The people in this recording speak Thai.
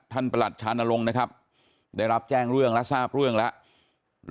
ประหลัดชานลงนะครับได้รับแจ้งเรื่องและทราบเรื่องแล้ว